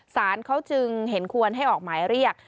สารเขาจึงเห็นควรให้ออกหมายเรียก